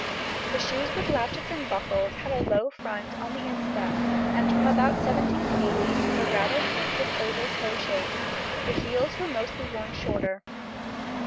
The shoes with latchets and buckles had a low front on the instep, and from about 1780 took a rather pointed oval toe shape; the heels were mostly worn shorter.